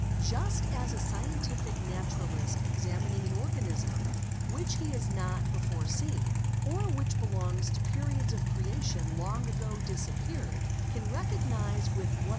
Just as a scientific naturalist, examining an organism which he has not before seen, or which belongs to periods of creation long ago disappeared, can recognise with what.